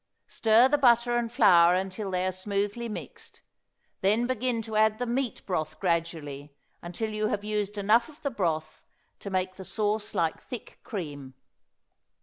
Stir the butter and flour until they are smoothly mixed; then begin to add the meat broth gradually until you have used enough of the broth to make the sauce like thick cream.